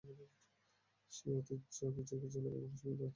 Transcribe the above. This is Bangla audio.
সেই ঐতিহ্য কিছু কিছু এলাকায় এখনো সীমিত আকারে হলেও টিকে আছে।